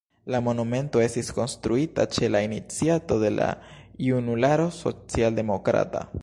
La monumento estis konstruita ĉe la iniciato de la Junularo socialdemokrata.